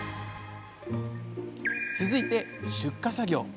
続いて出荷作業。